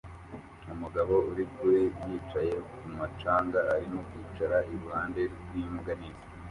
Umugabo uri kuri yicaye kumu canga arimo kwicara iruhande rwimbwa nini